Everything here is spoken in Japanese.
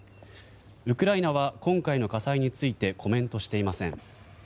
ウクライナは今回の火災についてコメントしていません。